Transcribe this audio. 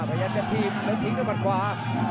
ไฟลันเป็นทิเมริกับมันขวา